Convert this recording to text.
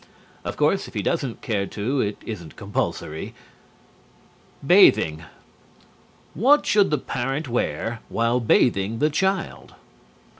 Of course, if he doesn't care to it isn't compulsory. BATHING _What should the parent wear while bathing the child?